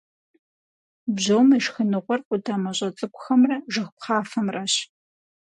Бжьом и шхыныгъуэр къудамэщӏэ цӏыкӏухэмрэ жыг пхъафэмрэщ.